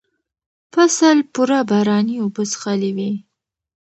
فصل پوره باراني اوبه څښلې وې.